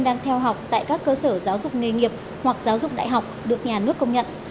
đang theo học tại các cơ sở giáo dục nghề nghiệp hoặc giáo dục đại học được nhà nước công nhận